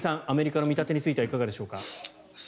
アメリカの見立てについてはいかがでしょうか？